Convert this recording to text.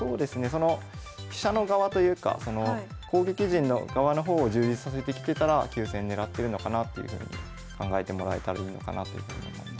その飛車の側というか攻撃陣の側の方を充実させてきてたら急戦ねらってるのかなっていうふうに考えてもらえたらいいのかなというふうに思います。